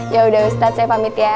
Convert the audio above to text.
yaudah ustadz saya pamit ya